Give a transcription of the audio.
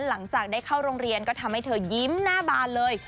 หลังจากได้เข้าโรงเรียนก็ทำให้เธอยิ้มหน้าบานเลย